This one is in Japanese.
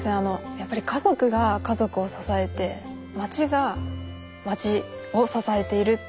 やっぱり家族が家族を支えて町が町を支えているというのをこう。